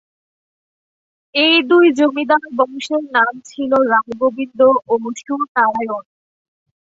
এই দুই জমিদার বংশের নাম ছিল রায় গোবিন্দ ও সুর নারায়ণ।